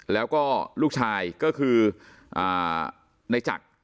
แล้วก็ลูกชายก็คือในจักร